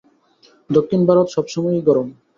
দক্ষিণ ভারত সব সময়েই গরম।